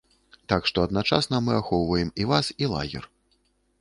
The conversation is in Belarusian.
Так што адначасна мы ахоўваем і вас і лагер.